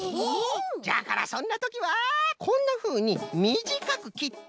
じゃからそんなときはこんなふうにみじかくきってはる。